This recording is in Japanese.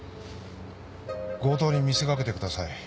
強盗に見せかけてください。